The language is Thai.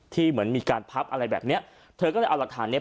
เหมือนมีการพับอะไรแบบเนี้ยเธอก็เลยเอาหลักฐานเนี้ย